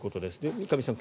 三上さん